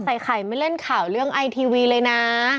ใส่ไข่ไม่เล่นข่าวเรื่องไอทีวีเลยนะ